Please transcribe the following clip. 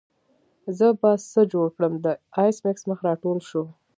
زه به څه جوړ کړم د ایس میکس مخ راټول شو